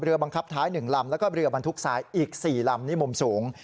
บังคับท้าย๑ลำแล้วก็เรือบรรทุกทรายอีก๔ลำนี่มุมสูง